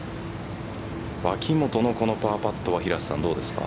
脇元のこのパーパットは平瀬さん、どうですか？